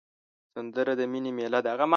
سندره د مینې میله ده